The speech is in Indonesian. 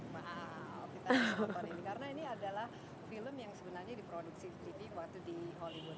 wow kita bisa nonton ini karena ini adalah film yang sebenarnya diproduksi livi waktu di hollywood